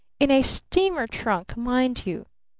In a steamer trunk, mind you.